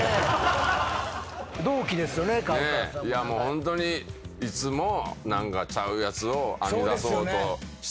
ホントにいつも何かちゃうやつを編み出そうとしてるよ。